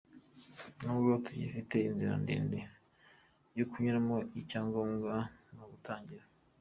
N’ubwo tugifite inzira ndende yo kunyuramo, icya ngombwa ni ugutangira.